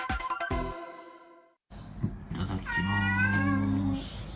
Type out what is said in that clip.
いただきます。